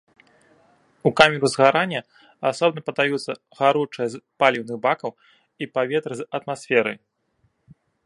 У камеру згарання асобна падаюцца гаручае з паліўных бакаў і паветра з атмасферы.